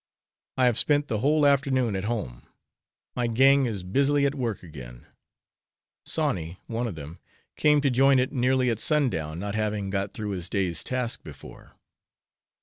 I have spent the whole afternoon at home; my 'gang' is busily at work again. Sawney, one of them, came to join it nearly at sun down, not having got through his day's task before.